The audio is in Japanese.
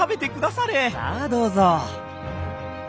さあどうぞ。